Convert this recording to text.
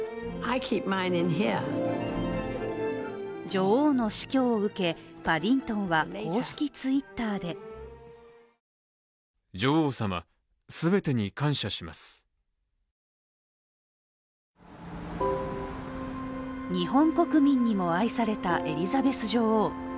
女王の死去を受け、パディントンは公式Ｔｗｉｔｔｅｒで日本国民にも愛されたエリザベス女王。